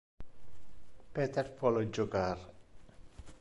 Peter vole jocar.